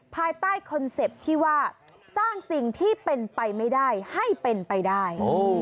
ภายใต้คอนเซ็ปต์ที่ว่าสร้างสิ่งที่เป็นไปไม่ได้ให้เป็นไปได้